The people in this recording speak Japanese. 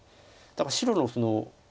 だから白の。